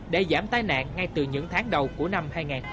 để giảm tai nạn ngay từ những tháng đầu của năm hai nghìn một mươi sáu